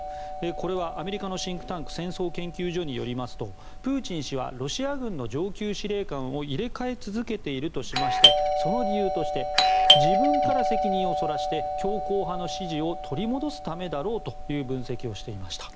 これはアメリカのシンクタンク戦争研究所によりますとプーチン氏はロシア軍の上級司令官を入れ替え続けているとしましてその理由として自分から責任をそらして強硬派の支持を取り戻すためだろうという分析をしていました。